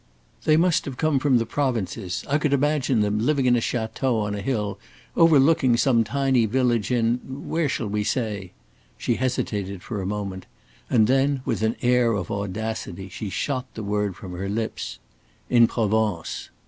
"They must have come from the Provinces. I could imagine them living in a chateau on a hill overlooking some tiny village in where shall we say?" She hesitated for a moment, and then with an air of audacity she shot the word from her lips "in Provence."